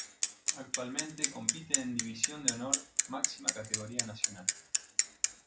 Actualmente compite en División de Honor, máxima categoría nacional.